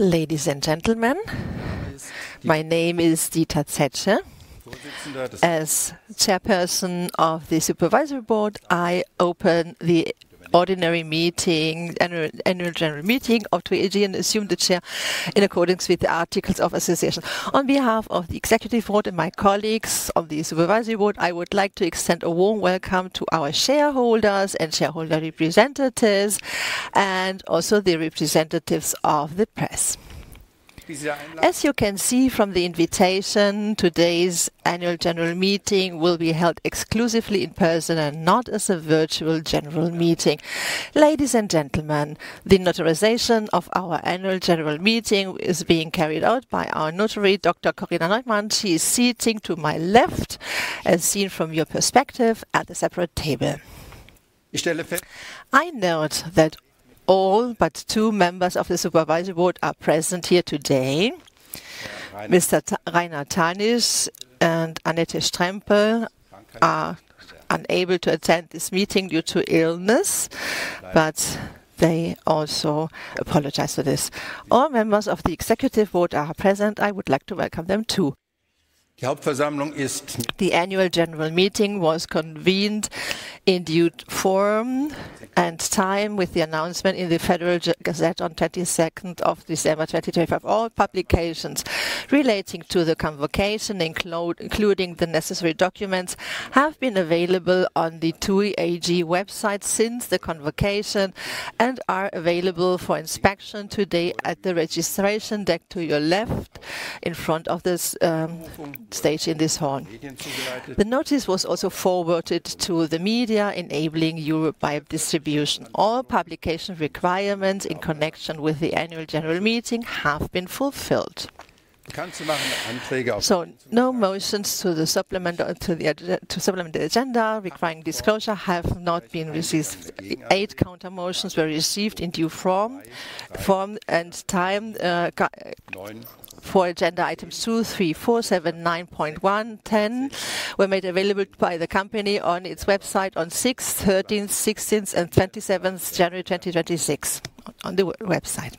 Ladies and gentlemen, my name is Dieter Zetsche. As Chairperson of the Supervisory Board, I open the ordinary annual general meeting of TUI AG and assume the chair in accordance with the articles of association. On behalf of the Executive Board and my colleagues of the Supervisory Board, I would like to extend a warm welcome to our shareholders and shareholder representatives, and also the representatives of the press. As you can see from the invitation, today's annual general meeting will be held exclusively in person and not as a virtual general meeting. Ladies and gentlemen, the notarization of our annual general meeting is being carried out by our notary, Dr. Corinna Neumann. She is sitting to my left, as seen from your perspective, at a separate table. I note that all but two members of the Supervisory Board are present here today. Mr. Rainer Thalmann and Annette Strempel are unable to attend this meeting due to illness, but they also apologize for this. All members of the executive board are present. I would like to welcome them, too. The Annual General Meeting was convened in due form and time with the announcement in the Federal Gazette on the 22nd of December, 2025. All publications relating to the convocation, including the necessary documents, have been available on the TUI AG website since the convocation and are available for inspection today at the registration desk to your left in front of this stage in this hall. The notice was also forwarded to the media, enabling Europe-wide distribution. All publication requirements in connection with the Annual General Meeting have been fulfilled. No motions to supplement or to supplement the agenda requiring disclosure have not been received. 8 counter motions were received in due form and time for agenda items 2, 3, 4, 7, 9.1, 10, were made available by the company on its website on 6th, 13th, 16th, and 27th January 2026, on the website.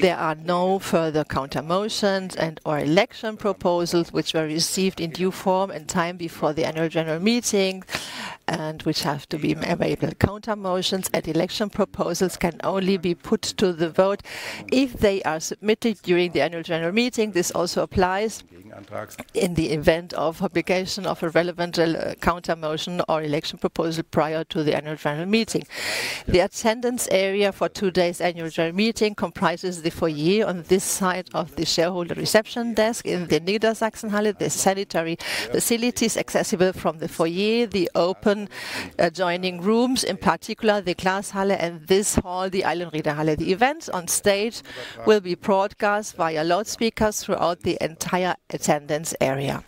There are no further counter motions and/or election proposals which were received in due form and time before the annual general meeting and which have to be made available. Counter motions and election proposals can only be put to the vote if they are submitted during the annual general meeting. This also applies in the event of publication of a relevant counter motion or election proposal prior to the annual general meeting. The attendance area for today's annual general meeting comprises the foyer on this side of the shareholder reception desk in the Niedersachsenhalle, the sanitary facilities accessible from the foyer, the open adjoining rooms, in particular the Glashalle and this hall, the Eilenriedehalle. The events on stage will be broadcast via loudspeakers throughout the entire attendance area.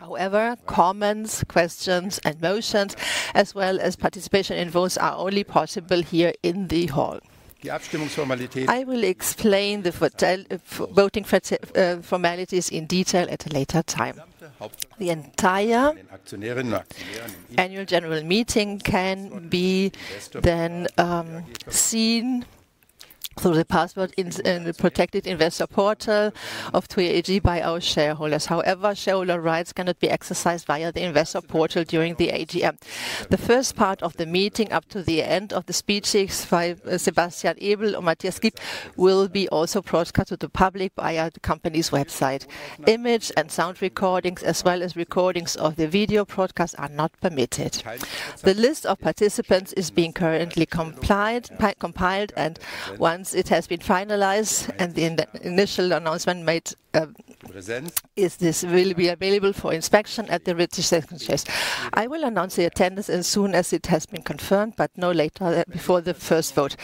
However, comments, questions, and motions, as well as participation in votes, are only possible here in the hall. I will explain the voting formalities in detail at a later time. The entire annual general meeting can be seen through the password in the protected Investor Portal of TUI AG by our shareholders. However, shareholder rights cannot be exercised via the Investor Portal during the AGM. The first part of the meeting, up to the end of the speeches by Sebastian Ebel or Matthias Kiep, will also be broadcast to the public via the company's website. Image and sound recordings, as well as recordings of the video broadcast, are not permitted. The list of participants is being currently compiled, and once it has been finalized and the initial announcement made, this will be available for inspection at the registration desk. I will announce the attendance as soon as it has been confirmed, but no later before the first vote.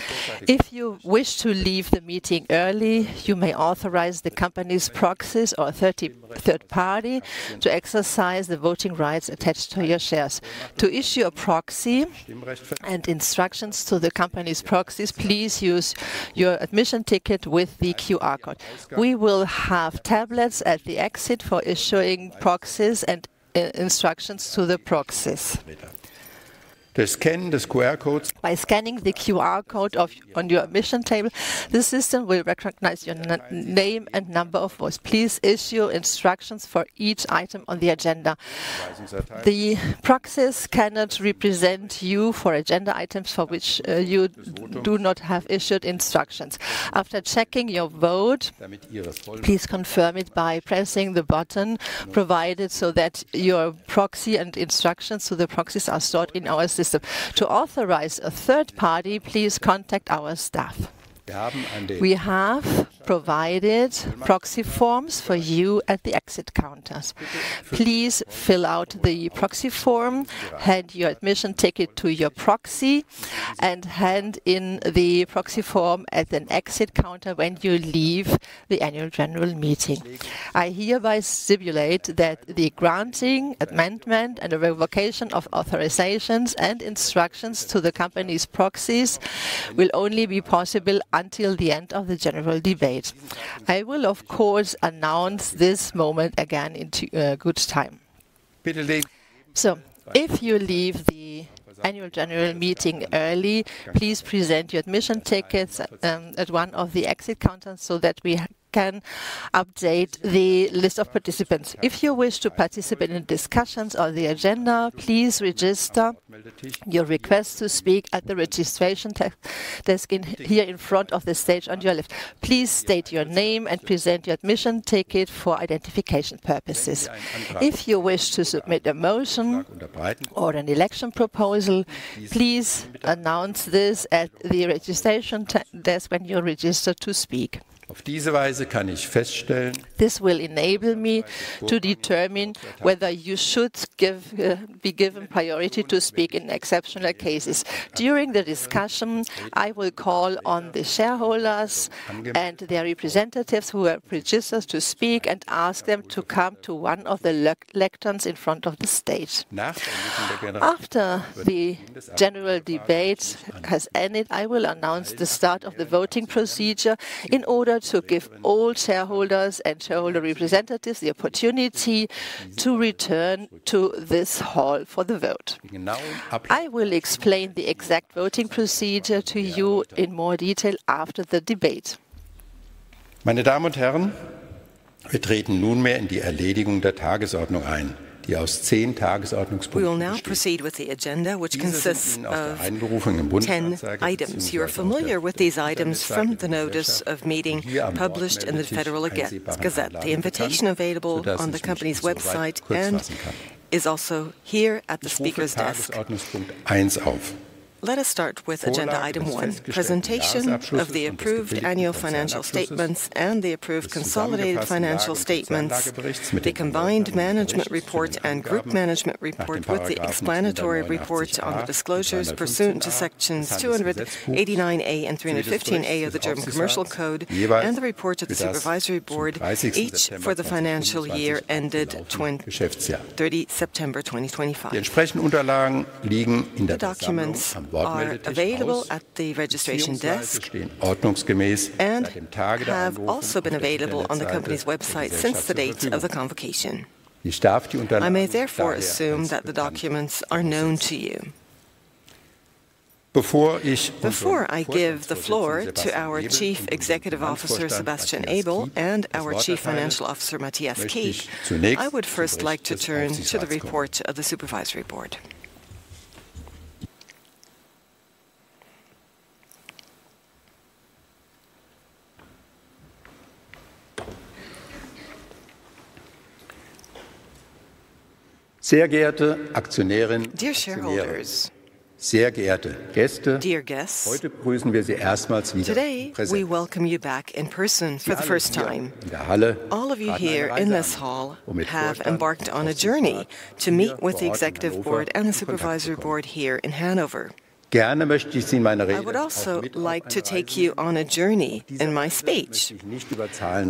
If you wish to leave the meeting early, you may authorize the company's proxies or a third party to exercise the voting rights attached to your shares. To issue a proxy and instructions to the company's proxies, please use your admission ticket with the QR code. We will have tablets at the exit for issuing proxies and instructions to the proxies. By scanning the QR code on your admission ticket, the system will recognize your name and number of votes. Please issue instructions for each item on the agenda. The proxies cannot represent you for agenda items for which you do not have issued instructions. After checking your vote, please confirm it by pressing the button provided so that your proxy and instructions to the proxies are stored in our system. To authorize a third party, please contact our staff. We have provided proxy forms for you at the exit counters. Please fill out the proxy form, hand your admission ticket to your proxy, and hand in the proxy form at an exit counter when you leave the Annual General Meeting. I hereby stipulate that the granting, amendment, and revocation of authorizations and instructions to the company's proxies will only be possible until the end of the general debate. I will, of course, announce this moment again in good time.... So if you leave the-... Annual General Meeting early, please present your admission tickets at one of the exit counters so that we can update the list of participants. If you wish to participate in discussions on the agenda, please register your request to speak at the registration desk here in front of the stage on your left. Please state your name and present your admission ticket for identification purposes. If you wish to submit a motion or an election proposal, please announce this at the registration desk when you register to speak. This will enable me to determine whether you should be given priority to speak in exceptional cases. During the discussion, I will call on the shareholders and their representatives who have registered to speak, and ask them to come to one of the lecterns in front of the stage. After the general debate has ended, I will announce the start of the voting procedure in order to give all shareholders and shareholder representatives the opportunity to return to this hall for the vote. I will explain the exact voting procedure to you in more detail after the debate. We will now proceed with the agenda, which consists of 10 items. You're familiar with these items from the notice of meeting, published in the Federal Gazette. The invitation available on the company's website, and is also here at the speaker's desk. Let us start with agenda item 1: presentation of the approved annual financial statements and the approved consolidated financial statements, the combined management report and group management report, with the explanatory report on the disclosures pursuant to sections 289A and 315A of the German Commercial Code, and the report of the Supervisory Board, each for the financial year ended 30 September 2025. The documents are available at the registration desk and have also been available on the company's website since the date of the convocation. I may therefore assume that the documents are known to you. Before I give the floor to our Chief Executive Officer, Sebastian Ebel, and our Chief Financial Officer, Matthias Kiep, I would first like to turn to the report of the Supervisory Board. Dear shareholders. Dear guests. Today, we welcome you back in person for the first time. All of you here in this hall have embarked on a journey to meet with the Executive Board and the Supervisory Board here in Hanover. I would also like to take you on a journey in my speech.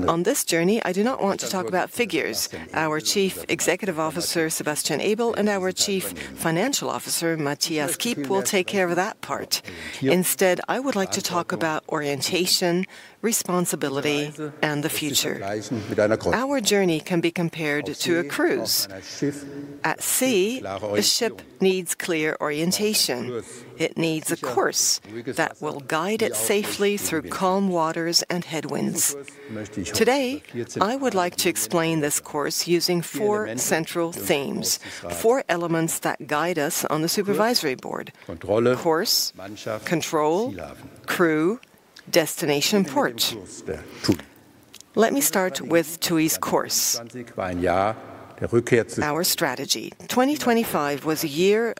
On this journey, I do not want to talk about figures. Our Chief Executive Officer, Sebastian Ebel, and our Chief Financial Officer, Matthias Kiep, will take care of that part. Instead, I would like to talk about orientation, responsibility, and the future. Our journey can be compared to a cruise. At sea, a ship needs clear orientation. It needs a course that will guide it safely through calm waters and headwinds. Today, I would like to explain this course using four central themes, four elements that guide us on the Supervisory Board: course, control, crew, destination port. Let me start with TUI's course, our strategy. 2025 was a year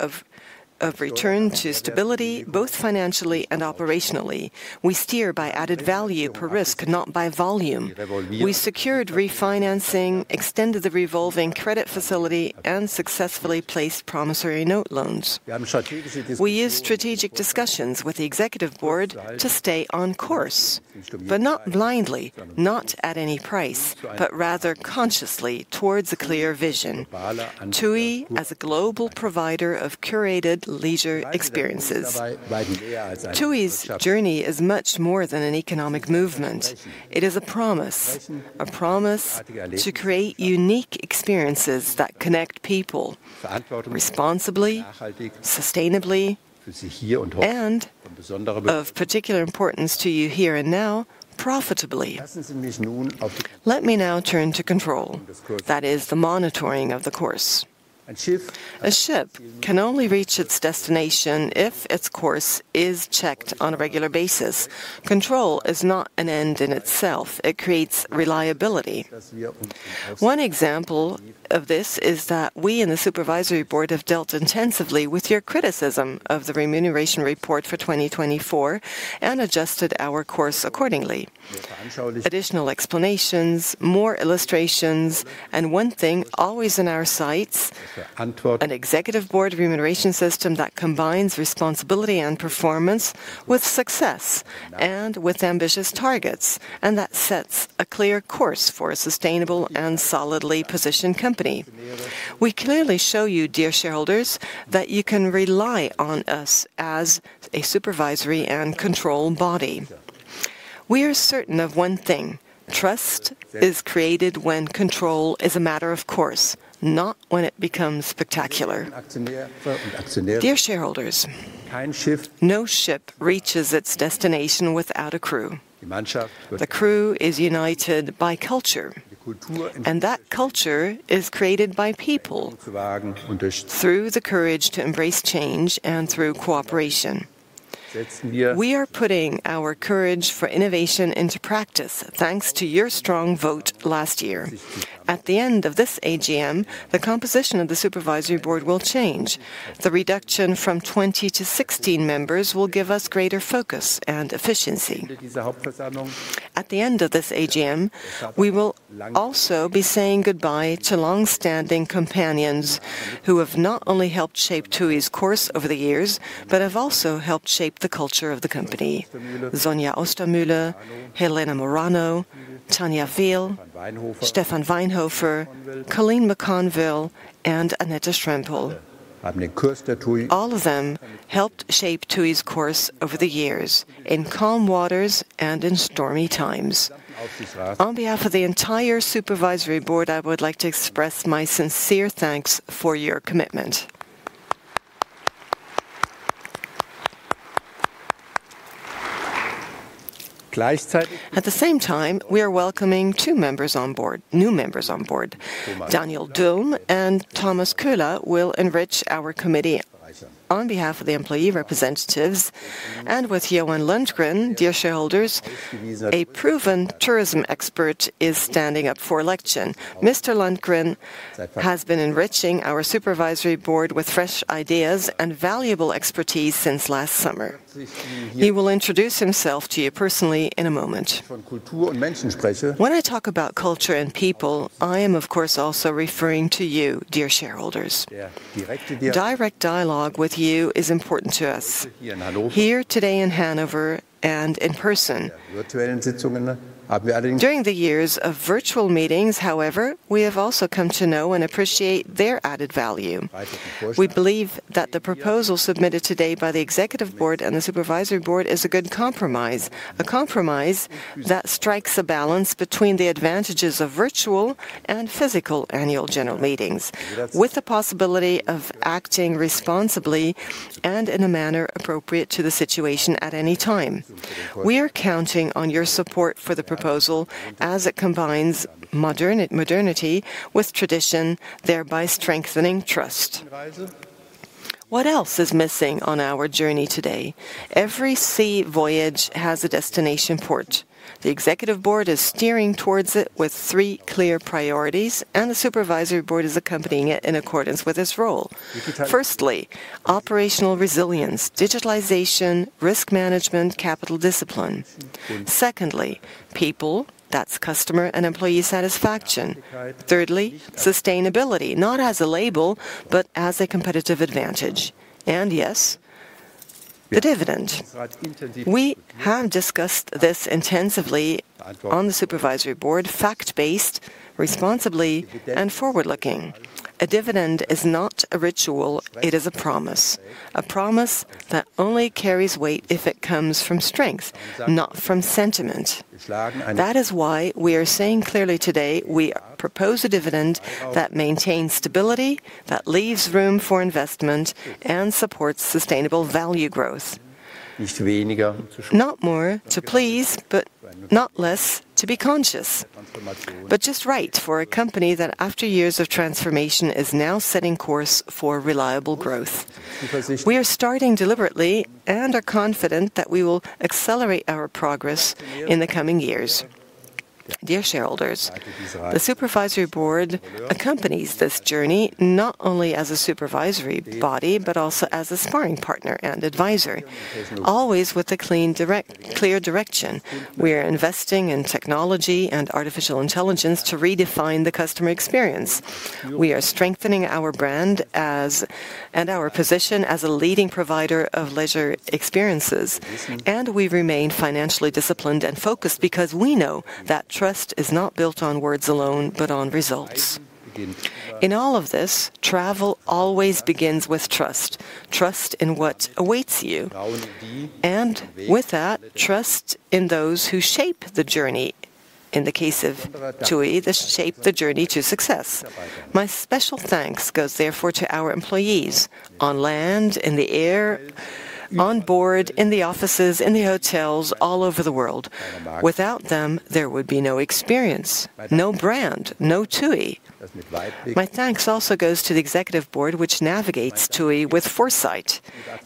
of return to stability, both financially and operationally. We steer by added value per risk, not by volume. We secured refinancing, extended the revolving credit facility, and successfully placed promissory note loans. We used strategic discussions with the executive board to stay on course, but not blindly, not at any price, but rather consciously towards a clear vision: TUI as a global provider of curated leisure experiences. TUI's journey is much more than an economic movement. It is a promise, a promise to create unique experiences that connect people responsibly, sustainably, and of particular importance to you here and now, profitably. Let me now turn to control. That is the monitoring of the course. A ship can only reach its destination if its course is checked on a regular basis. Control is not an end in itself, it creates reliability. One example of this is that we in the Supervisory Board have dealt intensively with your criticism of the remuneration report for 2024, and adjusted our course accordingly. Additional explanations, more illustrations, and one thing always in our sights, an executive board remuneration system that combines responsibility and performance with success and with ambitious targets, and that sets a clear course for a sustainable and solidly positioned company. We clearly show you, dear shareholders, that you can rely on us as a supervisory and control body. We are certain of one thing, trust is created when control is a matter of course, not when it becomes spectacular. Dear shareholders, no ship reaches its destination without a crew. The crew is united by culture, and that culture is created by people through the courage to embrace change and through cooperation. We are putting our courage for innovation into practice, thanks to your strong vote last year. At the end of this AGM, the composition of the Supervisory Board will change. The reduction from 20 to 16 members will give us greater focus and efficiency. At the end of this AGM, we will also be saying goodbye to long-standing companions who have not only helped shape TUI's course over the years, but have also helped shape the culture of the company. Sonja Ostermüller, Helena Murano, Tanja Viehl, Stefan Weinhofer, Coline McConville, and Annette Strempel. All of them helped shape TUI's course over the years, in calm waters and in stormy times. On behalf of the entire Supervisory Board, I would like to express my sincere thanks for your commitment. At the same time, we are welcoming 2 members on board, new members on board. Daniel Döhm and Thomas Köhler will enrich our committee. On behalf of the employee representatives and with Johan Lundgren, dear shareholders, a proven tourism expert is standing up for election. Mr. Lundgren has been enriching our Supervisory Board with fresh ideas and valuable expertise since last summer. He will introduce himself to you personally in a moment. When I talk about culture and people, I am, of course, also referring to you, dear shareholders. Direct dialogue with you is important to us, here today in Hanover and in person. During the years of virtual meetings, however, we have also come to know and appreciate their added value. We believe that the proposal submitted today by the Executive Board and the Supervisory Board is a good compromise, a compromise that strikes a balance between the advantages of virtual and physical Annual General Meetings, with the possibility of acting responsibly and in a manner appropriate to the situation at any time. We are counting on your support for the proposal as it combines modernity with tradition, thereby strengthening trust. What else is missing on our journey today? Every sea voyage has a destination port. The Executive Board is steering towards it with three clear priorities, and the Supervisory Board is accompanying it in accordance with its role. Firstly, operational resilience, digitalization, risk management, capital discipline. Secondly, people, that's customer and employee satisfaction. Thirdly, sustainability, not as a label, but as a competitive advantage. And yes, the dividend. We have discussed this intensively on the Supervisory Board, fact-based, responsibly and forward-looking. A dividend is not a ritual, it is a promise. A promise that only carries weight if it comes from strength, not from sentiment. That is why we are saying clearly today, we propose a dividend that maintains stability, that leaves room for investment, and supports sustainable value growth. Not more to please, but not less to be conscious, but just right for a company that after years of transformation, is now setting course for reliable growth. We are starting deliberately and are confident that we will accelerate our progress in the coming years. Dear shareholders, the Supervisory Board accompanies this journey not only as a supervisory body, but also as a sparring partner and advisor, always with a clear direction. We are investing in technology and artificial intelligence to redefine the customer experience. We are strengthening our brand as and our position as a leading provider of leisure experiences, and we remain financially disciplined and focused because we know that trust is not built on words alone, but on results. In all of this, travel always begins with trust, trust in what awaits you, and with that, trust in those who shape the journey. In the case of TUI, they shape the journey to success. My special thanks goes therefore to our employees on land, in the air, on board, in the offices, in the hotels all over the world. Without them, there would be no experience, no brand, no TUI. My thanks also goes to the executive board, which navigates TUI with foresight.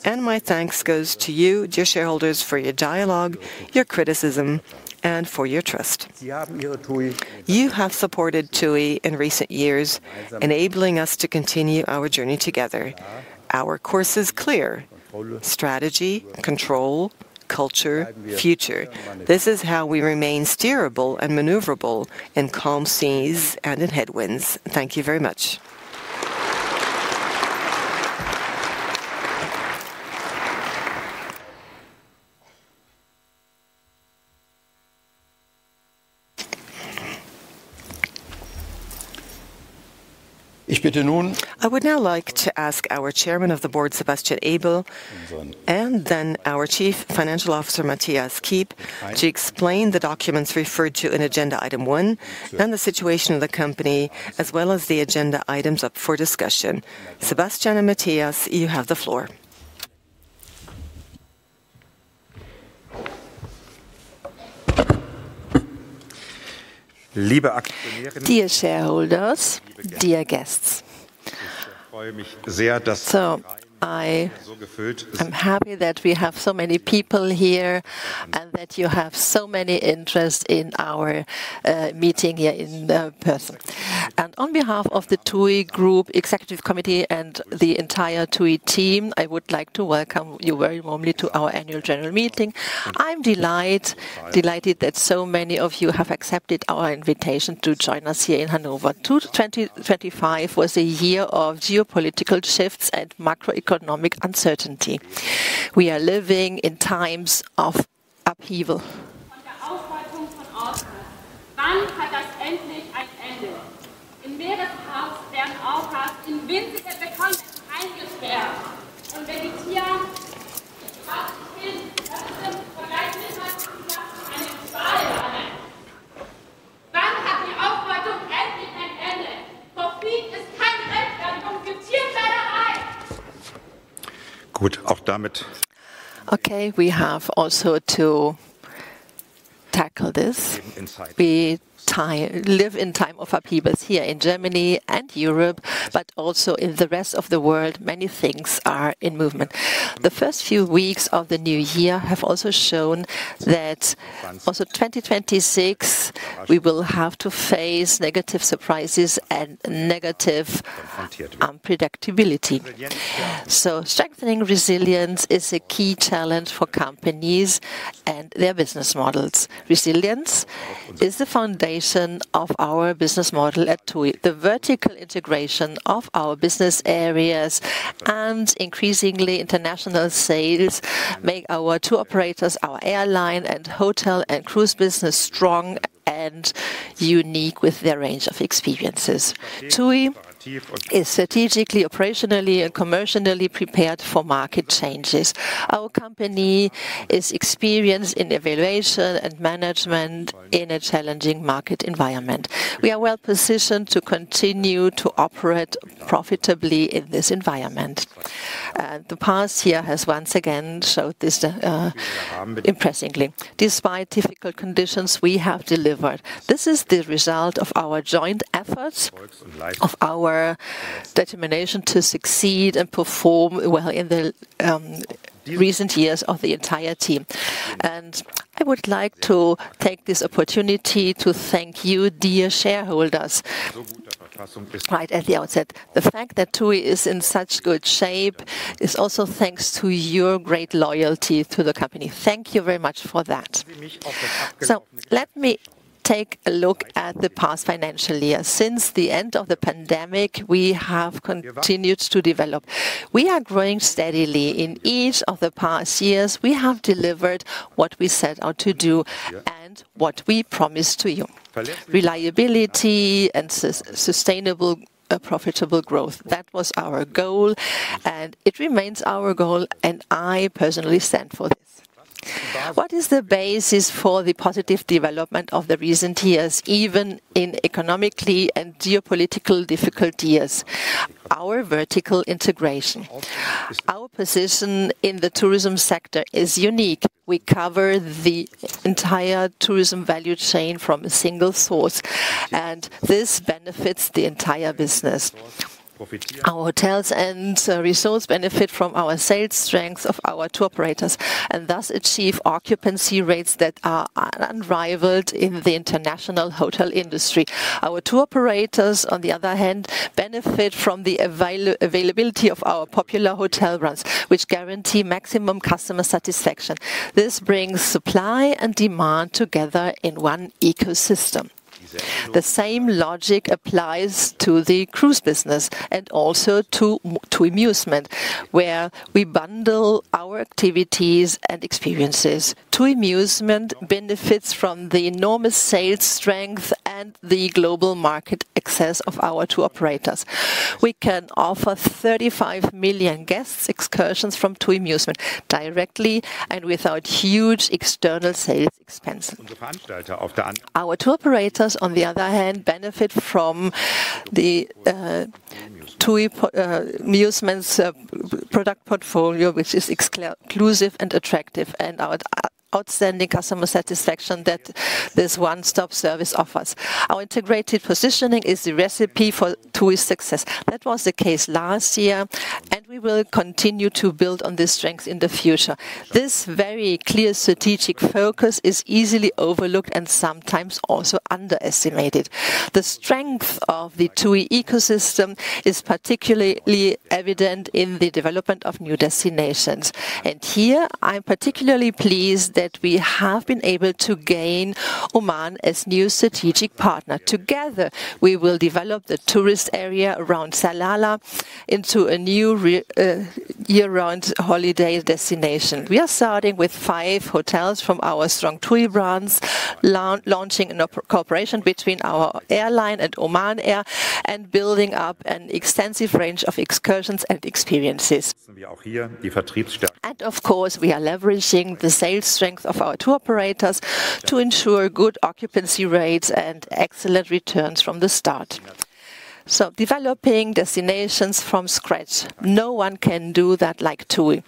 My thanks goes to you, dear shareholders, for your dialogue, your criticism, and for your trust. You have supported TUI in recent years, enabling us to continue our journey together. Our course is clear: strategy, control, culture, future. This is how we remain steerable and maneuverable in calm seas and in headwinds. Thank you very much. ... I would now like to ask our Chairman of the Board, Sebastian Ebel, and then our Chief Financial Officer, Matthias Kiep, to explain the documents referred to in agenda item one, then the situation of the company, as well as the agenda items up for discussion. Sebastian and Matthias, you have the floor. Dear shareholders, dear guests. So I, I'm happy that we have so many people here and that you have so many interest in our meeting here in person. And on behalf of the TUI Group Executive Committee and the entire TUI team, I would like to welcome you very warmly to our annual general meeting. I'm delighted that so many of you have accepted our invitation to join us here in Hanover. 2025 was a year of geopolitical shifts and macroeconomic uncertainty. We are living in times of upheaval. Okay, we have also to tackle this. We live in time of upheavals here in Germany and Europe, but also in the rest of the world, many things are in movement. The first few weeks of the new year have also shown that also 2026, we will have to face negative surprises and negative predictability. So strengthening resilience is a key challenge for companies and their business models. Resilience is the foundation of our business model at TUI. The vertical integration of our business areas and increasingly international sales, make our two operators, our airline and hotel and cruise business, strong and unique with their range of experiences. TUI is strategically, operationally, and commercially prepared for market changes. Our company is experienced in evaluation and management in a challenging market environment. We are well positioned to continue to operate profitably in this environment. The past year has once again showed this impressively. Despite difficult conditions, we have delivered. This is the result of our joint efforts, of our determination to succeed and perform well in the recent years of the entire team. I would like to take this opportunity to thank you, dear shareholders, right at the outset. The fact that TUI is in such good shape is also thanks to your great loyalty to the company. Thank you very much for that. Let me take a look at the past financial year. Since the end of the pandemic, we have continued to develop. We are growing steadily. In each of the past years, we have delivered what we set out to do and what we promised to you. Reliability and sustainable, profitable growth, that was our goal, and it remains our goal, and I personally stand for this. What is the basis for the positive development of the recent years, even in economically and geopolitical difficult years? Our vertical integration. Our position in the tourism sector is unique. We cover the entire tourism value chain from a single source, and this benefits the entire business. Our hotels and resorts benefit from our sales strength of our tour operators, and thus achieve occupancy rates that are unrivaled in the international hotel industry. Our tour operators, on the other hand, benefit from the availability of our popular hotel runs, which guarantee maximum customer satisfaction. This brings supply and demand together in one ecosystem. The same logic applies to the cruise business and also to amusement, where we bundle our activities and experiences. TUI Musement benefits from the enormous sales strength and the global market access of our tour operators. We can offer 35 million guests excursions from TUI Musement directly and without huge external sales expense. Our tour operators, on the other hand, benefit from the TUI Musement's product portfolio, which is exclusive and attractive, and our outstanding customer satisfaction that this one-stop service offers. Our integrated positioning is the recipe for TUI's success. That was the case last year, and we will continue to build on this strength in the future. This very clear strategic focus is easily overlooked and sometimes also underestimated. The strength of the TUI ecosystem is particularly evident in the development of new destinations. And here, I'm particularly pleased that we have been able to gain Oman as new strategic partner. Together, we will develop the tourist area around Salalah into a new year-round holiday destination. We are starting with five hotels from our strong TUI brands, launching a cooperation between our airline and Oman Air, and building up an extensive range of excursions and experiences. And of course, we are leveraging the sales strength of our tour operators to ensure good occupancy rates and excellent returns from the start.... So developing destinations from scratch, no one can do that like TUI.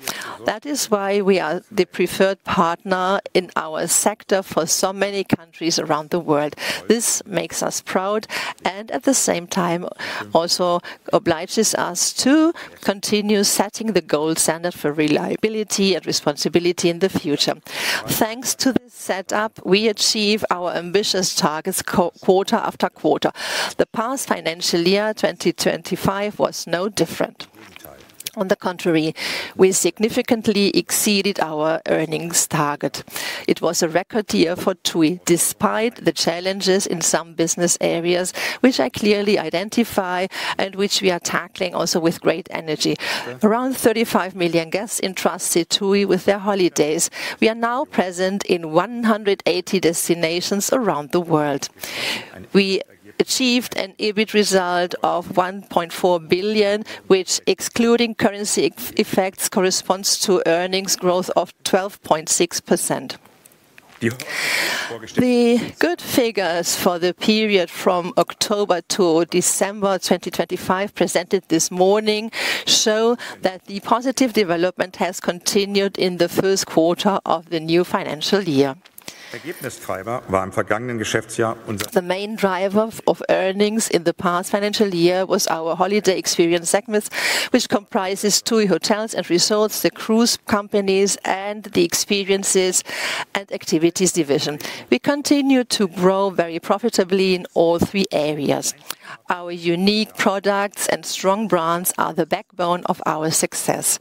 That is why we are the preferred partner in our sector for so many countries around the world. This makes us proud, and at the same time also obliges us to continue setting the gold standard for reliability and responsibility in the future. Thanks to this setup, we achieve our ambitious targets quarter after quarter. The past financial year, 2025, was no different. On the contrary, we significantly exceeded our earnings target. It was a record year for TUI, despite the challenges in some business areas, which I clearly identify and which we are tackling also with great energy. Around 35 million guests entrusted TUI with their holidays. We are now present in 180 destinations around the world. We achieved an EBIT result of 1.4 billion, which excluding currency effects, corresponds to earnings growth of 12.6%. The good figures for the period from October to December 2025, presented this morning, show that the positive development has continued in the first quarter of the new financial year. The main driver of earnings in the past financial year was our holiday experience segment, which comprises TUI hotels and resorts, the cruise companies, and the experiences and activities division. We continue to grow very profitably in all three areas. Our unique products and strong brands are the backbone of our success.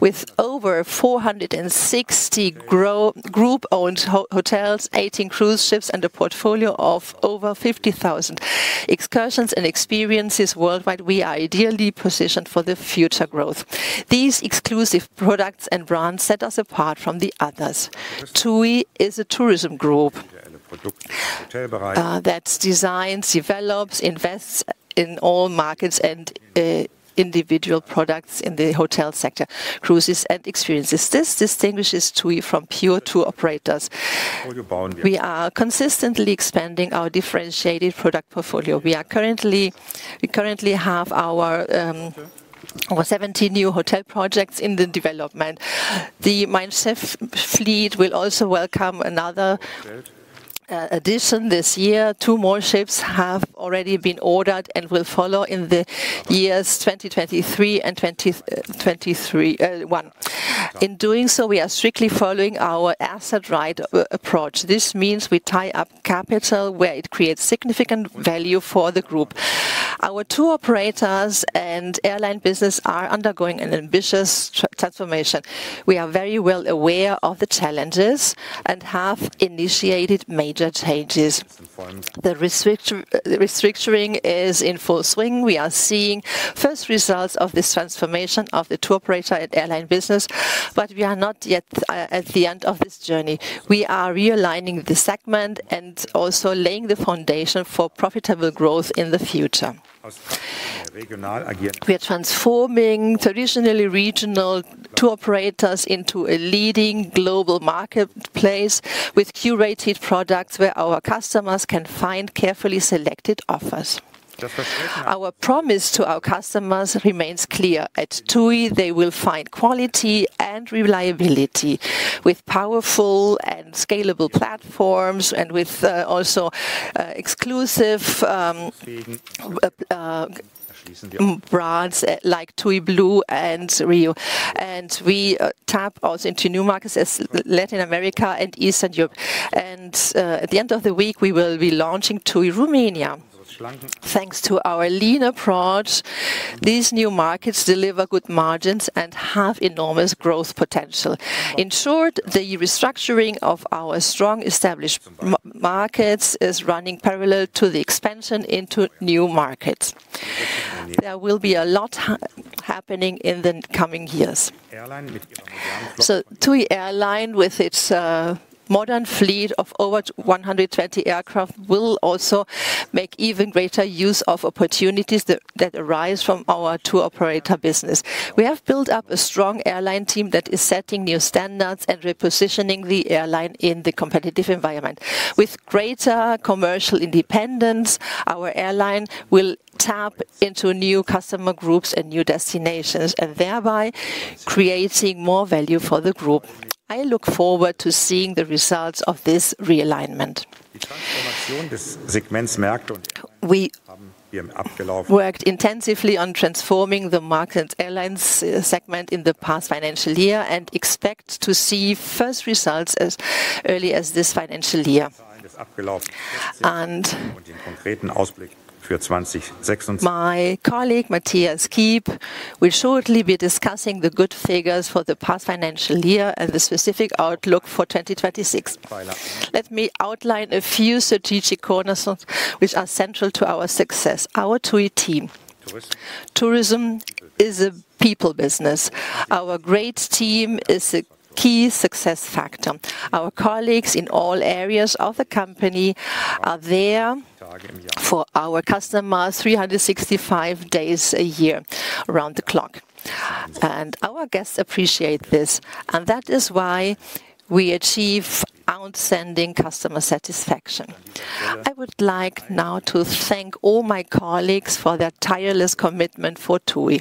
With over 460 group-owned hotels, 18 cruise ships, and a portfolio of over 50,000 excursions and experiences worldwide, we are ideally positioned for the future growth. These exclusive products and brands set us apart from the others. TUI is a tourism group that designs, develops, invests in all markets and individual products in the hotel sector, cruises, and experiences. This distinguishes TUI from pure tour operators. We are consistently expanding our differentiated product portfolio. We currently have our over 70 new hotel projects in the development. The Mein Schiff fleet will also welcome another addition this year. Two more ships have already been ordered and will follow in the years 2023 and 2024. In doing so, we are strictly following our Asset-Right approach. This means we tie up capital where it creates significant value for the group. Our tour operators and airline business are undergoing an ambitious transformation. We are very well aware of the challenges and have initiated major changes. The restructuring is in full swing. We are seeing first results of this transformation of the tour operator and airline business, but we are not yet at the end of this journey. We are realigning the segment and also laying the foundation for profitable growth in the future. We are transforming traditionally regional tour operators into a leading global marketplace with curated products, where our customers can find carefully selected offers. Our promise to our customers remains clear. At TUI, they will find quality and reliability with powerful and scalable platforms and with also exclusive brands like TUI Blue and RIU. And we tap also into new markets as Latin America and Eastern Europe. And at the end of the week, we will be launching TUI Romania. Thanks to our lean approach, these new markets deliver good margins and have enormous growth potential. In short, the restructuring of our strong, established markets is running parallel to the expansion into new markets. There will be a lot happening in the coming years. So TUI Airline, with its modern fleet of over 120 aircraft, will also make even greater use of opportunities that arise from our tour operator business. We have built up a strong airline team that is setting new standards and repositioning the airline in the competitive environment. With greater commercial independence, our airline will tap into new customer groups and new destinations, and thereby creating more value for the group. I look forward to seeing the results of this realignment. We worked intensively on transforming the market airlines segment in the past financial year, and expect to see first results as early as this financial year. My colleague, Matthias Kiep, will shortly be discussing the good figures for the past financial year and the specific outlook for 2026. Let me outline a few strategic cornerstones which are central to our success. Our TUI team. Tourism is a people business. Our great team is a key success factor. Our colleagues in all areas of the company are there for our customers, 365 days a year, around the clock... and our guests appreciate this, and that is why we achieve outstanding customer satisfaction. I would like now to thank all my colleagues for their tireless commitment for TUI.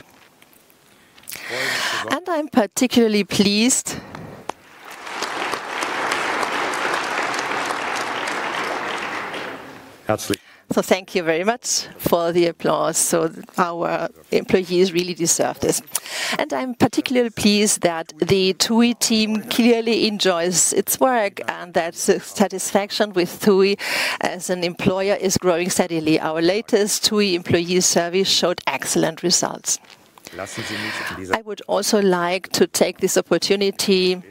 I'm particularly pleased- Absolutely. Thank you very much for the applause. Our employees really deserve this. I'm particularly pleased that the TUI team clearly enjoys its work, and that satisfaction with TUI as an employer is growing steadily. Our latest TUI employee survey showed excellent results. Lasting me to this- I would also like to take this opportunity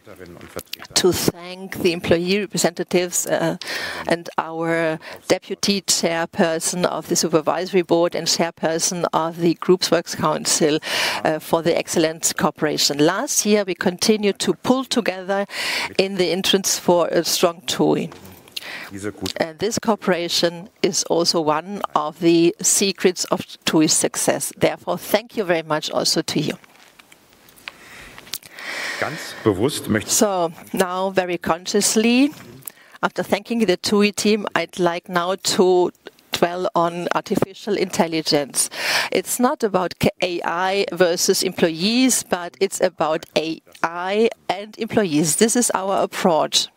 to thank the employee representatives, and our deputy chairperson of the Supervisory Board and chairperson of the group's works council, for the excellent cooperation. Last year, we continued to pull together in the interest for a strong TUI. These are good. This cooperation is also one of the secrets of TUI's success. Therefore, thank you very much also to you. Ganz bewusst, So now, very consciously, after thanking the TUI team, I'd like now to dwell on artificial intelligence. It's not about AI versus employees, but it's about AI and employees. This is our approach.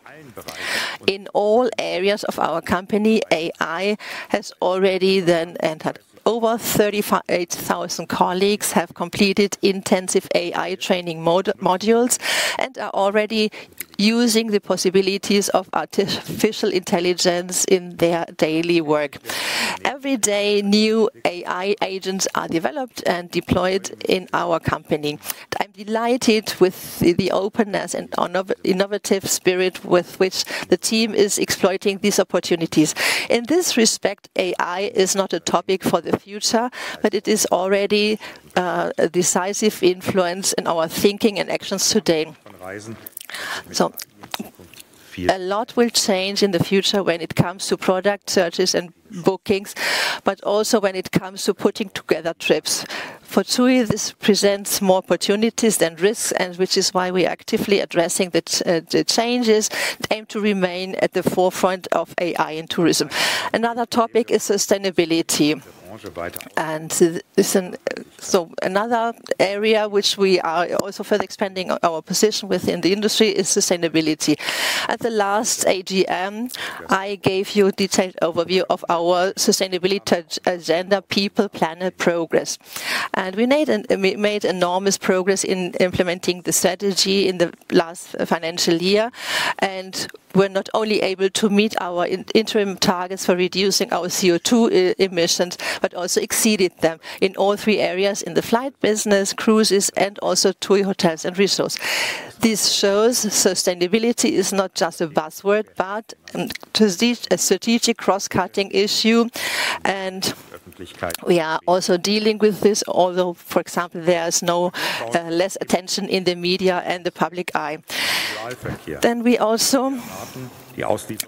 In all areas of our company, AI has already then entered. Over 38,000 colleagues have completed intensive AI training modules, and are already using the possibilities of artificial intelligence in their daily work. Every day, new AI agents are developed and deployed in our company. I'm delighted with the openness and innovative spirit with which the team is exploiting these opportunities. In this respect, AI is not a topic for the future, but it is already a decisive influence in our thinking and actions today. Rise in. So a lot will change in the future when it comes to product searches and bookings, but also when it comes to putting together trips. For TUI, this presents more opportunities than risks, and which is why we're actively addressing the changes and aim to remain at the forefront of AI in tourism. Another topic is sustainability. Another area which we are also further expanding our position within the industry is sustainability. At the last AGM, I gave you a detailed overview of our sustainability agenda, people, planet, progress. We made enormous progress in implementing the strategy in the last financial year, and we're not only able to meet our interim targets for reducing our CO2 emissions, but also exceeded them in all three areas, in the flight business, cruises, and also TUI Hotels and Resorts. This shows sustainability is not just a buzzword, but to see a strategic cross-cutting issue, and we are also dealing with this, although, for example, there is no less attention in the media and the public eye. Then we also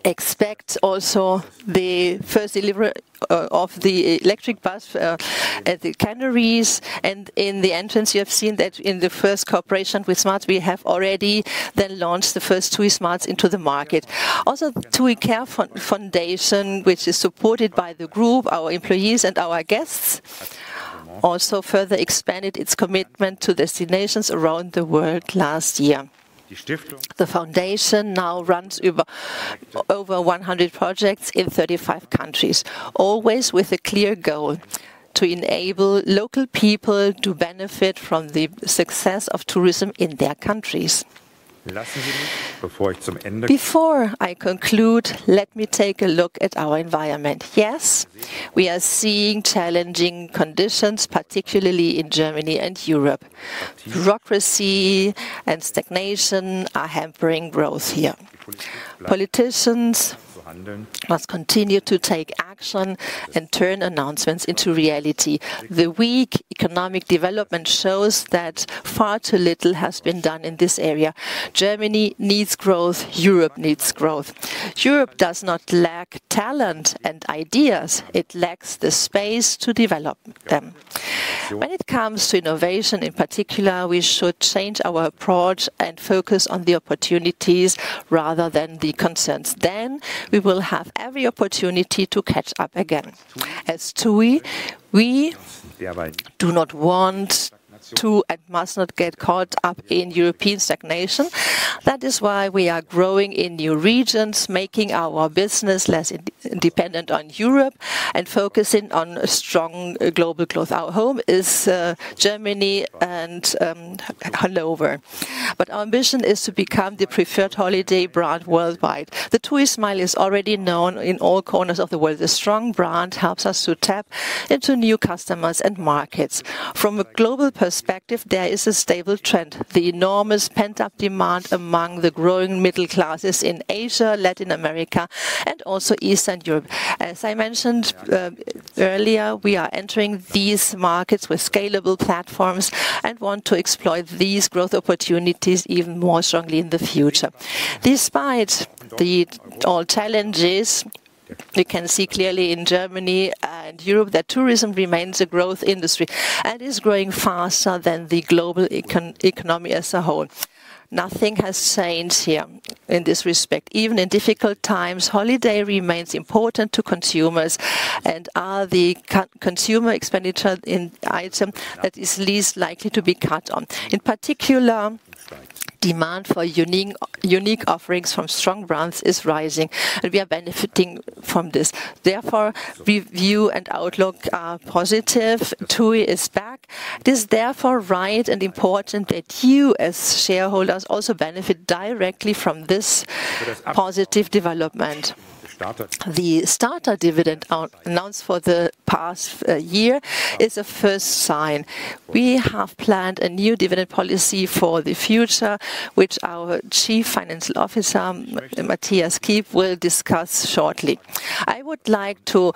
expect also the first delivery of the electric bus at the Canaries. And in the entrance, you have seen that in the first cooperation with SMART, we have already then launched the first TUI SMARTS into the market. Also, TUI Care Foundation, which is supported by the group, our employees and our guests, also further expanded its commitment to destinations around the world last year. The foundation- The foundation now runs over 100 projects in 35 countries, always with a clear goal: to enable local people to benefit from the success of tourism in their countries. Last, before I end. Before I conclude, let me take a look at our environment. Yes, we are seeing challenging conditions, particularly in Germany and Europe. Bureaucracy and stagnation are hampering growth here. Politicians must continue to take action and turn announcements into reality. The weak economic development shows that far too little has been done in this area. Germany needs growth. Europe needs growth. Europe does not lack talent and ideas, it lacks the space to develop them. When it comes to innovation, in particular, we should change our approach and focus on the opportunities rather than the concerns, then we will have every opportunity to catch up again. As TUI, we do not want to, and must not, get caught up in European stagnation. That is why we are growing in new regions, making our business less independent on Europe and focusing on a strong global growth. Our home is Germany and Hanover, but our ambition is to become the preferred holiday brand worldwide. The TUI smile is already known in all corners of the world. The strong brand helps us to tap into new customers and markets. From a global perspective, there is a stable trend, the enormous pent-up demand among the growing middle classes in Asia, Latin America and also Eastern Europe. As I mentioned earlier, we are entering these markets with scalable platforms and want to exploit these growth opportunities even more strongly in the future. Despite all challenges... We can see clearly in Germany and Europe that tourism remains a growth industry, and is growing faster than the global economy as a whole. Nothing has changed here in this respect. Even in difficult times, holidays remain important to consumers and are the core consumer expenditure item that is least likely to be cut on. In particular, demand for unique offerings from strong brands is rising, and we are benefiting from this. Therefore, our view and outlook are positive. TUI is back. It is therefore right and important that you, as shareholders, also benefit directly from this positive development. The starter dividend announced for the past year is a first sign. We have planned a new dividend policy for the future, which our Chief Financial Officer, Matthias Kiep, will discuss shortly. I would like to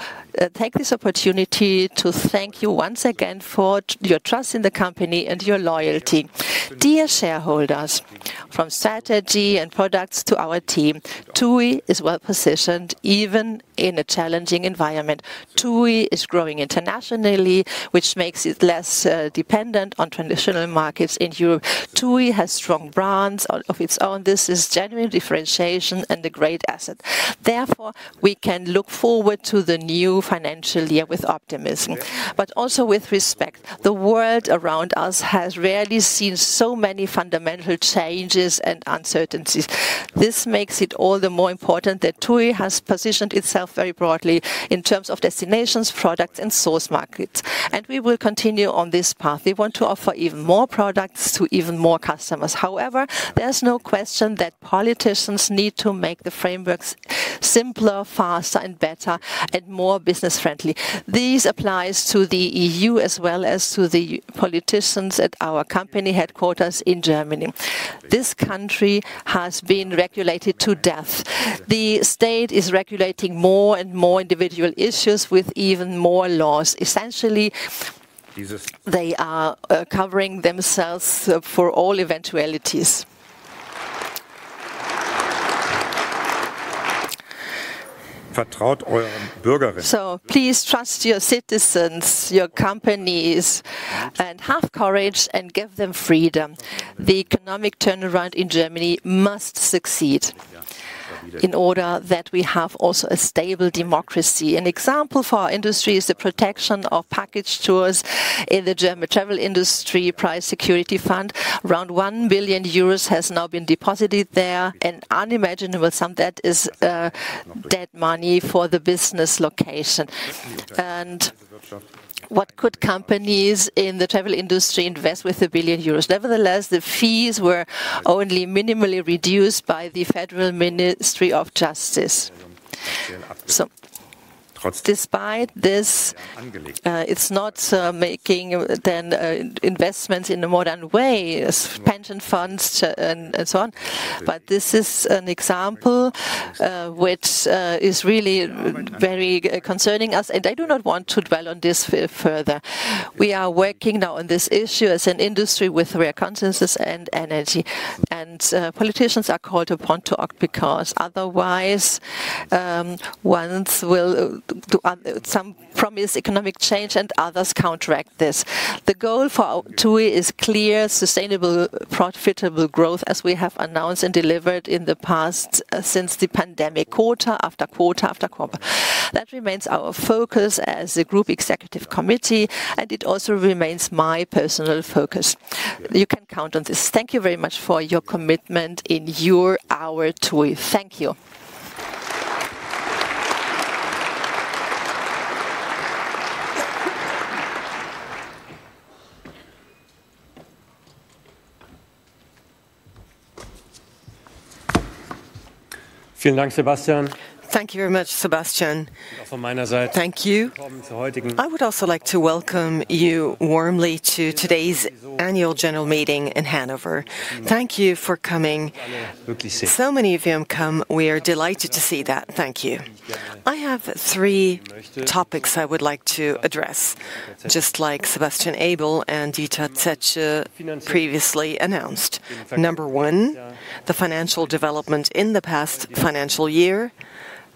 take this opportunity to thank you once again for your trust in the company and your loyalty. Dear shareholders, from strategy and products to our team, TUI is well positioned, even in a challenging environment. TUI is growing internationally, which makes it less dependent on traditional markets in Europe. TUI has strong brands of its own. This is genuine differentiation and a great asset. Therefore, we can look forward to the new financial year with optimism, but also with respect. The world around us has rarely seen so many fundamental changes and uncertainties. This makes it all the more important that TUI has positioned itself very broadly in terms of destinations, products, and source markets, and we will continue on this path. We want to offer even more products to even more customers. However, there's no question that politicians need to make the frameworks simpler, faster and better, and more business friendly. This applies to the EU as well as to the politicians at our company headquarters in Germany. This country has been regulated to death. The state is regulating more and more individual issues with even more laws. Essentially, they are covering themselves for all eventualities. So please trust your citizens, your companies, and have courage and give them freedom. The economic turnaround in Germany must succeed, in order that we have also a stable democracy. An example for our industry is the protection of package tours in the German Travel Security Fund. Around 1 billion euros has now been deposited there, an unimaginable sum that is dead money for the business location. And what could companies in the travel industry invest with 1 billion euros? Nevertheless, the fees were only minimally reduced by the Federal Ministry of Justice. So despite this, it's not making then investments in a modern way as pension funds and so on. But this is an example, which is really very concerning us, and I do not want to dwell on this further. We are working now on this issue as an industry with rare consensus and energy. And politicians are called upon to act, because otherwise, ones will to some promise economic change and others counteract this. The goal for TUI is clear, sustainable, profitable growth, as we have announced and delivered in the past, since the pandemic, quarter after quarter after quarter. That remains our focus as a group executive committee, and it also remains my personal focus. You can count on this. Thank you very much for your commitment in your hour, TUI. Thank you. Thank you very much, Sebastian. Thank you. I would also like to welcome you warmly to today's Annual General Meeting in Hanover. Thank you for coming. So many of you have come, we are delighted to see that. Thank you. I have three topics I would like to address, just like Sebastian Ebel and Dieter Zetsche previously announced. Number one, the financial development in the past financial year.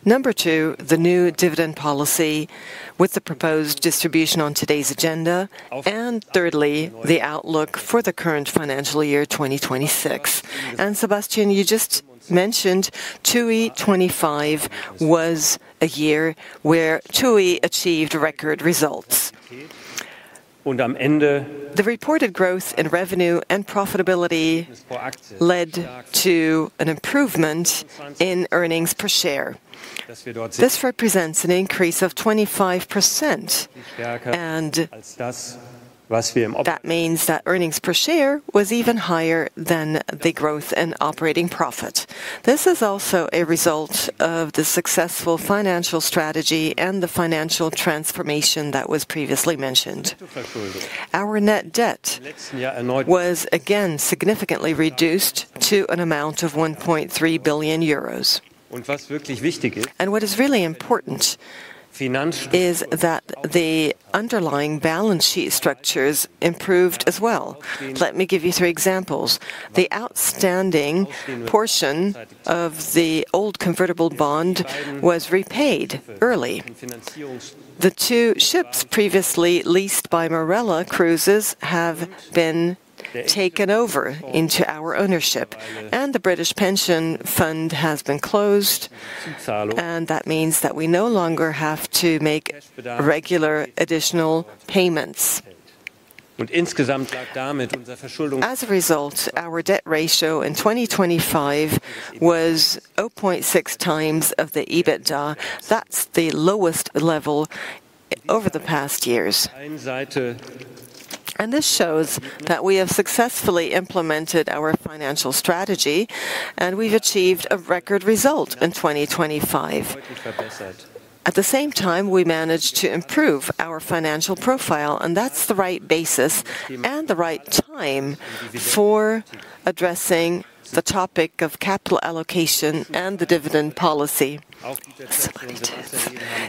Number two, the new dividend policy with the proposed distribution on today's agenda. And thirdly, the outlook for the current financial year, 2026. And Sebastian, you just mentioned, TUI 25 was a year where TUI achieved record results. The reported growth in revenue and profitability led to an improvement in earnings per share. This represents an increase of 25%, and that means that earnings per share was even higher than the growth and operating profit. This is also a result of the successful financial strategy and the financial transformation that was previously mentioned. Our net debt was again significantly reduced to an amount of 1.3 billion euros. What is really important is that the underlying balance sheet structures improved as well. Let me give you three examples. The outstanding portion of the old convertible bond was repaid early. The two ships previously leased by Marella Cruises have been taken over into our ownership, and the British pension fund has been closed, and that means that we no longer have to make regular additional payments. As a result, our debt ratio in 2025 was 0.6x the EBITDA. That's the lowest level over the past years. This shows that we have successfully implemented our financial strategy, and we've achieved a record result in 2025. At the same time, we managed to improve our financial profile, and that's the right basis and the right time for addressing the topic of capital allocation and the dividend policy.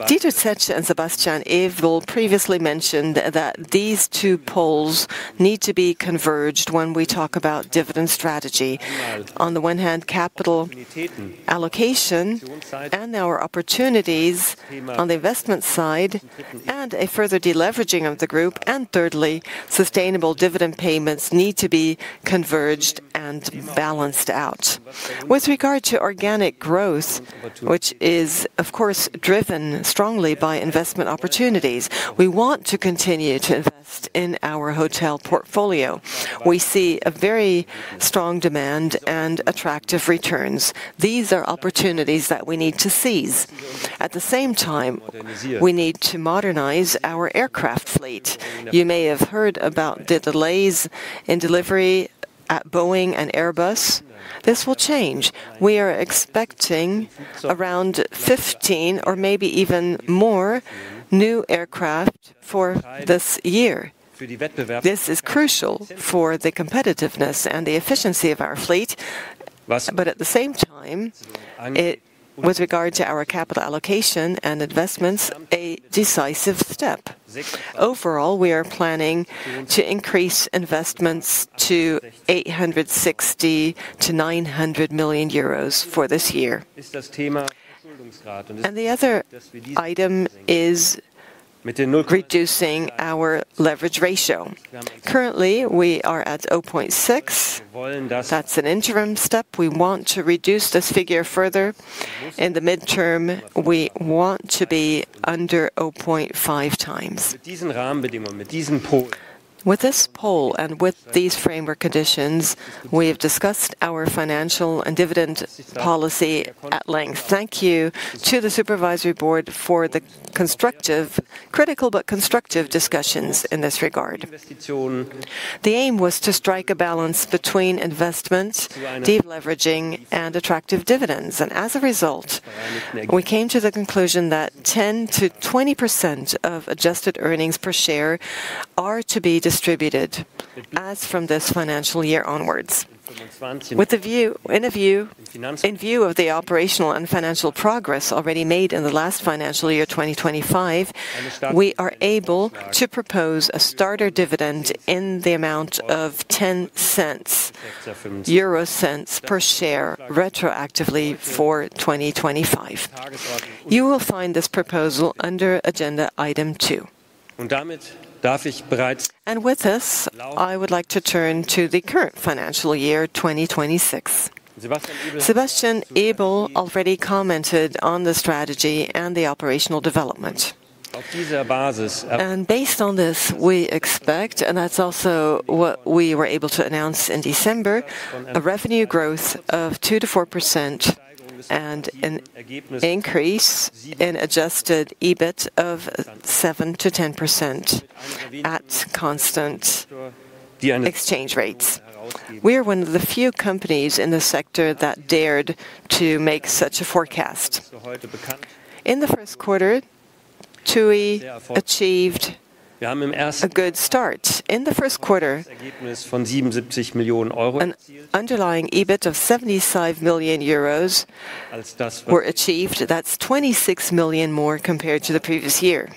Dieter Zetsche and Sebastian Ebel previously mentioned that these two poles need to be converged when we talk about dividend strategy. On the one hand, capital allocation and our opportunities on the investment side, and a further deleveraging of the group, and thirdly, sustainable dividend payments need to be converged and balanced out. With regard to organic growth, which is, of course, driven strongly by investment opportunities, we want to continue to invest in our hotel portfolio. We see a very strong demand and attractive returns. These are opportunities that we need to seize. At the same time, we need to modernize our aircraft fleet. You may have heard about the delays in delivery at Boeing and Airbus. This will change. We are expecting around 15, or maybe even more, new aircraft for this year. This is crucial for the competitiveness and the efficiency of our fleet, but at the same time, it, with regard to our capital allocation and investments, a decisive step. Overall, we are planning to increase investments to 860 million-900 million euros for this year. The other item is reducing our leverage ratio. Currently, we are at 0.6. That's an interim step. We want to reduce this figure further. In the midterm, we want to be under 0.5 times. With this poll and with these framework conditions, we have discussed our financial and dividend policy at length. Thank you to the Supervisory Board for the constructive... critical but constructive discussions in this regard. The aim was to strike a balance between investment, deleveraging, and attractive dividends, and as a result, we came to the conclusion that 10%-20% of adjusted earnings per share are to be distributed as from this financial year onwards. In view of the operational and financial progress already made in the last financial year, 2025, we are able to propose a starter dividend in the amount of 0.10 per share, retroactively for 2025. You will find this proposal under agenda item 2. And with this, I would like to turn to the current financial year, 2026. Sebastian Ebel already commented on the strategy and the operational development. And based on this, we expect, and that's also what we were able to announce in December, a revenue growth of 2%-4% and an increase in adjusted EBIT of 7%-10% at constant exchange rates. We are one of the few companies in the sector that dared to make such a forecast. In the first quarter, TUI achieved a good start. In the first quarter, an underlying EBIT of 75 million euros were achieved. That's 26 million more compared to the previous year.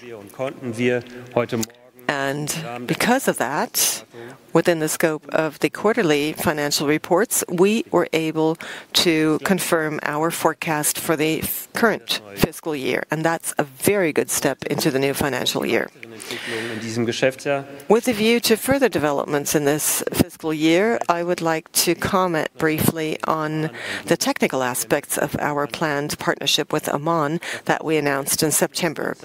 And because of that, within the scope of the quarterly financial reports, we were able to confirm our forecast for the current fiscal year, and that's a very good step into the new financial year. With a view to further developments in this fiscal year, I would like to comment briefly on the technical aspects of our planned partnership with Oman that we announced in September.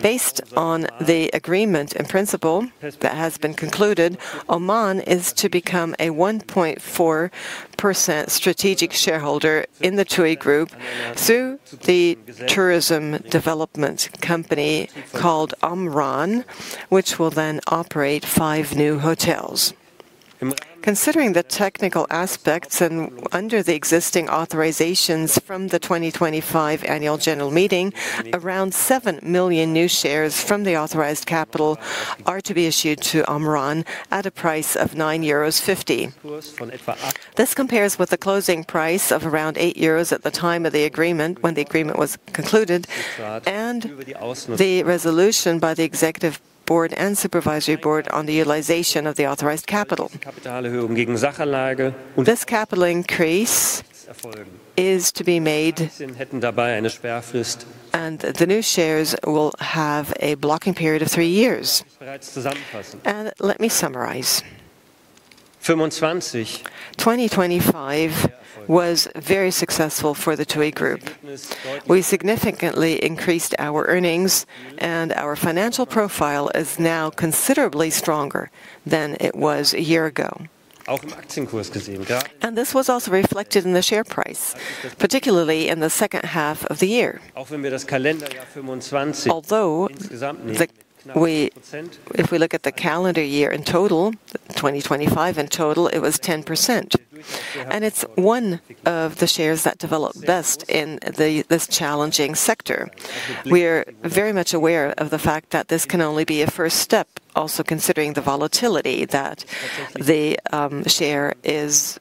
Based on the agreement in principle that has been concluded, Oman is to become a 1.4% strategic shareholder in the TUI Group through the tourism development company called OMRAN, which will then operate five new hotels.... Considering the technical aspects and under the existing authorizations from the 2025 Annual General Meeting, around 7 million new shares from the authorized capital are to be issued to OMRAN at a price of 9.50 euros. This compares with the closing price of around 8 euros at the time of the agreement, when the agreement was concluded, and the resolution by the executive board and supervisory board on the utilization of the authorized capital. This capital increase is to be made, and the new shares will have a blocking period of three years. Let me summarize. 2025 was very successful for the TUI Group. We significantly increased our earnings, and our financial profile is now considerably stronger than it was a year ago. This was also reflected in the share price, particularly in the second half of the year. Although the, if we look at the calendar year in total, 2025 in total, it was 10%, and it's one of the shares that developed best in this challenging sector. We are very much aware of the fact that this can only be a first step, also considering the volatility that the share is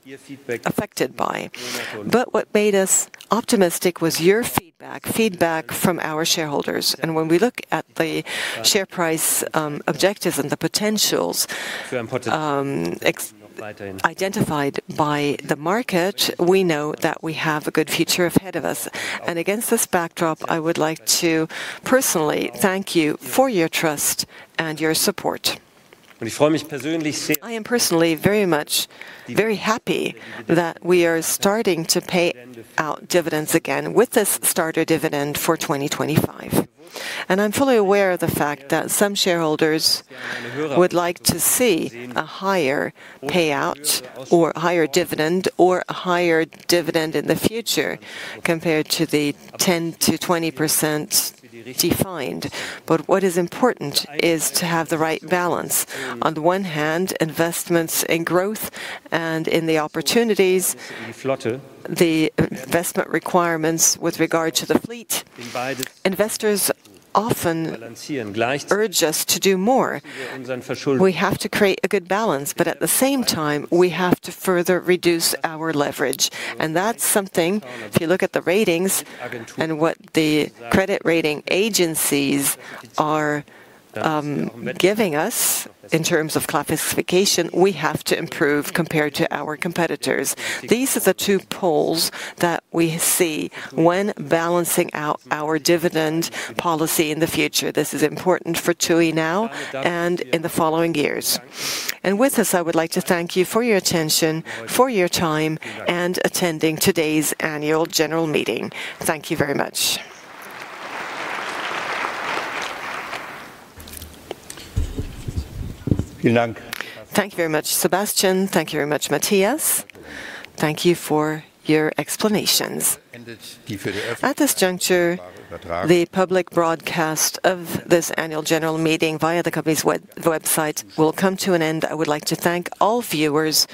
affected by. But what made us optimistic was your feedback, feedback from our shareholders. When we look at the share price, objectives and the potentials identified by the market, we know that we have a good future ahead of us. Against this backdrop, I would like to personally thank you for your trust and your support. I am personally very much, very happy that we are starting to pay out dividends again with this starter dividend for 2025. And I'm fully aware of the fact that some shareholders would like to see a higher payout or higher dividend or a higher dividend in the future compared to the 10%-20% defined. But what is important is to have the right balance. On the one hand, investments in growth and in the opportunities, the investment requirements with regard to the fleet. Investors often urge us to do more. We have to create a good balance, but at the same time, we have to further reduce our leverage. And that's something, if you look at the ratings and what the credit rating agencies are giving us in terms of classification, we have to improve compared to our competitors. These are the two poles that we see when balancing out our dividend policy in the future. This is important for TUI now and in the following years. And with this, I would like to thank you for your attention, for your time, and attending today's Annual General Meeting. Thank you very much. Thank you very much, Sebastian. Thank you very much, Matthias. Thank you for your explanations. At this juncture, the public broadcast of this Annual General Meeting via the company's website will come to an end. I would like to thank all viewers-